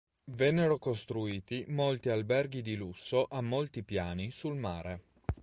Vennero costruiti molti alberghi di lusso a molti piani sul mare.